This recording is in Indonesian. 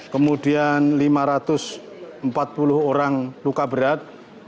kemudian lima ratus empat puluh orang luka berat